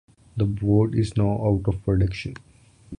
The boat is now out of production.